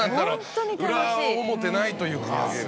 裏表ないというか。